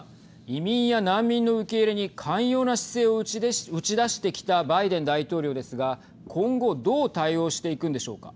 移民や難民の受け入れに寛容な姿勢を打ち出してきたバイデン大統領ですが今後、どう対応していくんでしょうか。